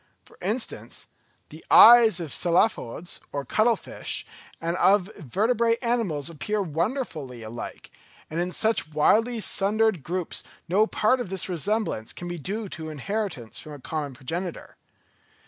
For instance, the eyes of Cephalopods or cuttle fish and of vertebrate animals appear wonderfully alike; and in such widely sundered groups no part of this resemblance can be due to inheritance from a common progenitor.